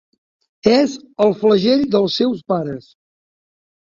És el flagell dels seus pares.